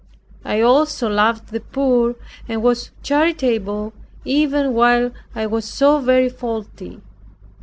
I also loved the poor, and was charitable, even while I was so very faulty.